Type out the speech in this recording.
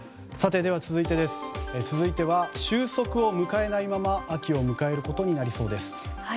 続いては収束を迎えないまま秋を迎えることになりそうです。